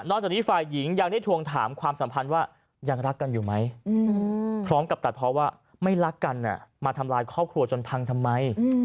จากนี้ฝ่ายหญิงยังได้ทวงถามความสัมพันธ์ว่ายังรักกันอยู่ไหมพร้อมกับตัดเพราะว่าไม่รักกันมาทำลายครอบครัวจนพังทำไม